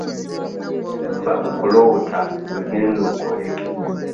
Vva mu kuloota gwe genda okole.